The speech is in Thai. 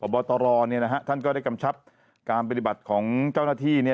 บอตรท่านก็ได้กำชับการปฏิบัติของเจ้าหน้าที่